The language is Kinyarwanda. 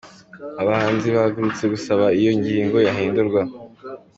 Abahinzi bahagurutse gusaba ko iyi ngingo yahindurwa.